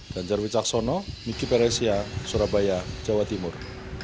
dan jarwi caksono miki peresia surabaya jawa timur